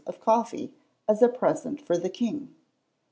of coffee as a present for the king.